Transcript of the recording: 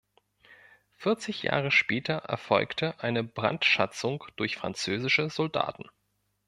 Vierzig Jahre später erfolgte eine Brandschatzung durch französische Soldaten.